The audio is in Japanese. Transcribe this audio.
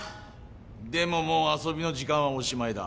でももう遊びの時間はおしまいだ。